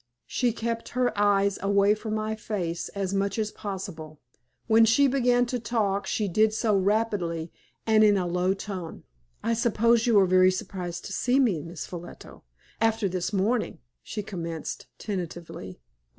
She kept her eyes away from my face as much as possible. When she began to talk she did so rapidly, and in a low tone. "I suppose you are very surprised to see me, Miss Ffolliot, after this morning," she commenced, tentatively.